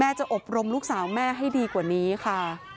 จะอบรมลูกสาวแม่ให้ดีกว่านี้ค่ะ